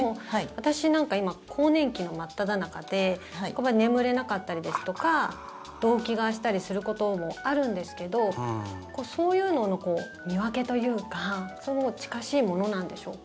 私、なんか今更年期の真っただ中で眠れなかったりですとか動悸がしたりすることもあるんですけどそういうのの見分けというか近しいものなんでしょうか？